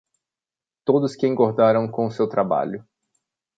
Todos que engordaram com o seu trabalho!